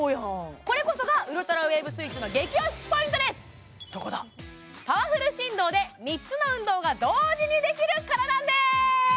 これこそがウルトラウェーブスイッチのパワフル振動で３つの運動が同時にできるからなんです！